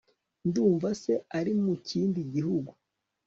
ndumva se ari mu kindi gihugu